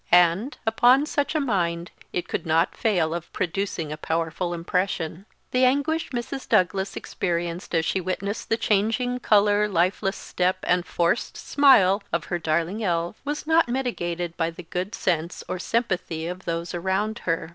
And, upon such a mind it could not fail of producing a powerful impression. The anguish Mrs. Douglas experienced as she witnessed the changing colour, lifeless step, and forced smile of her darling _élève _was not mitigated by the good sense or sympathy of those around her.